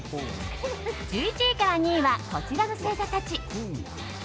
１１位から２位はこちらの星座たち。